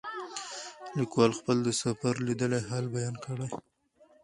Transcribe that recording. لیکوال خپل د سفر لیدلی حال بیان کړی.